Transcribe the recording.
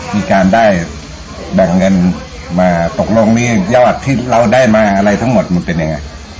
มีการได้แบ่งเงินมาตกลงนี่ยอดที่เราได้มาอะไรทั้งหมดมันเป็นยังไง